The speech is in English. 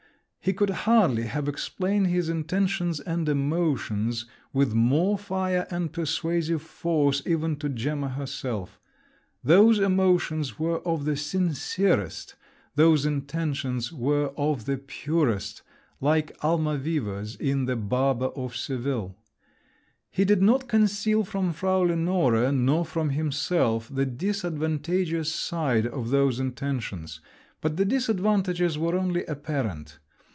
He could hardly have explained his intentions and emotions with more fire and persuasive force even to Gemma herself. Those emotions were of the sincerest, those intentions were of the purest, like Almaviva's in the Barber of Seville. He did not conceal from Frau Lenore nor from himself the disadvantageous side of those intentions; but the disadvantages were only apparent!